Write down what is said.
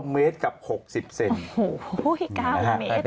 ๙เมตรกว่า๖๐เซนติเมตร